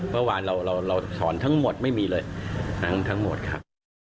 เมื่อวานเราถอนทั้งหมดไม่มีเลยทั้งหมดครับ